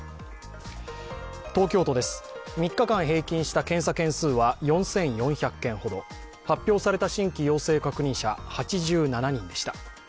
東京都です、３日間平均した検査件数は４４００件ほど発表された新規陽性確認者８７人でした。